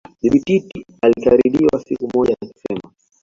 Bibi Titi alikaririwa siku moja akisema